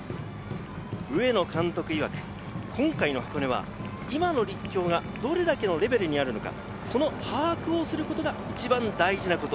上野監督いわく、今回の箱根は今の立教がどれだけのレベルにあるのか、その把握をすることが一番大事なこと。